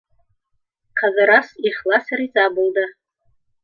Ҡыҙырас ихлас риза булды.